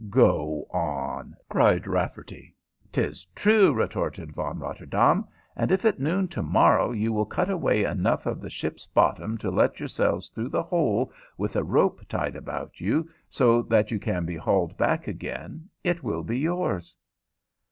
"Go on!" cried Rafferty. "'Tis true," retorted Von Rotterdaam. "And if at noon to morrow you will cut away enough of the ship's bottom to let yourselves through the hole, with a rope tied about you so that you can be hauled back again, it will be yours."